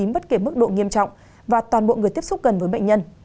bất kể mức độ nghiêm trọng và toàn bộ người tiếp xúc gần với bệnh nhân